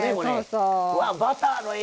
うわっバターのええ